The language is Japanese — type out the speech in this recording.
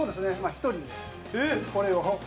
１人で、これを。